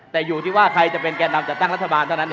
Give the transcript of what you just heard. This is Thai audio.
แต่อยู่ที่ว่าใครจะเป็นแก่นำจัดตั้งรัฐบาลเท่านั้น